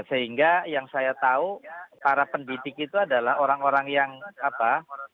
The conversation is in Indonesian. sehingga yang saya tahu para pendidik itu adalah orang orang yang apa